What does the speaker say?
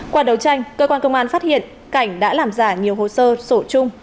qua đấu tranh cơ quan công an phát hiện cảnh đã làm giả nhiều hồ sơ sổ chung